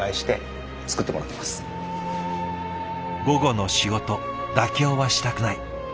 午後の仕事妥協はしたくない。